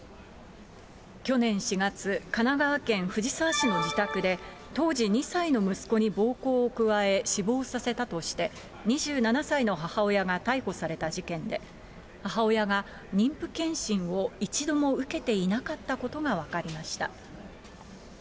去年４月、神奈川県藤沢市の自宅で、当時２歳の息子に暴行を加え、死亡させたとして、２７歳の母親が逮捕された事件で、母親が、妊婦健診を一度も受けていなかったことが分かりました。